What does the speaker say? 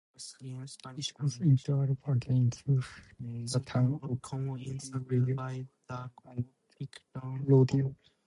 It goes into Alava again through the towns of Amurrio and Llodio.